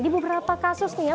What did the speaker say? di beberapa kasus nih ya